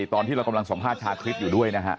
ตอนที่เรากำลังสอบภาษาชาร์จคลิปอยู่ด้วยนะครับ